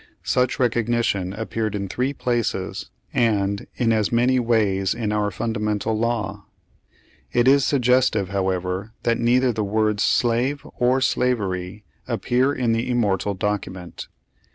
Such recognition appeared in three places, and in as many v/ays in our Fundamental Law. It is suggestive, however, that neither the words slave or slavery appear in the immortal document.